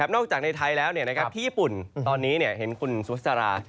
นอกจากในไทยแล้วที่ญี่ปุ่นตอนนี้เห็นคุณสวัสดิ์สารา